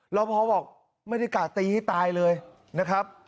รอพอบอกไม่ได้กะตีให้ตายเลยนะครับ